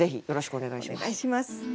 お願いします。